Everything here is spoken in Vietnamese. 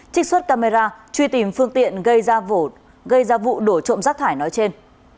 trích xuất camera truy tìm phương tiện gây ra vụ đổ trộm rác thải nói trên